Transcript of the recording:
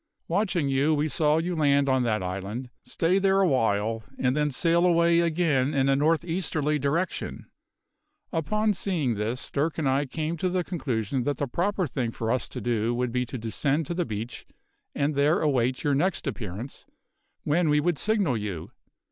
Watching you, we saw you land on that island, stay there a while, and then sail away again in a north easterly direction. Upon seeing this, Dirk and I came to the conclusion that the proper thing for us to do would be to descend to the beach, and there await your next appearance, when we would signal you.